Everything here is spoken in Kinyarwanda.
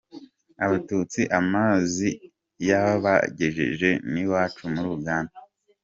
Abatutsi amazi yabagejeje n’iwacu muri Uganda.